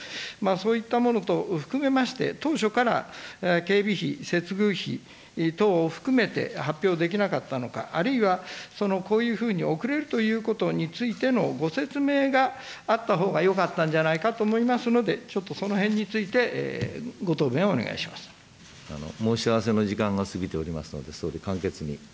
そういったもの等を含めまして、当初から警備費、接遇費等を含めてはっぴょうできなかったのかあるいは、こういうふうに遅れるということについてのご説明があったほうがよかったんじゃないかと思いますので、ちょっとそのへんについて、申し合わせの時間が過ぎておりますので、総理、簡潔に。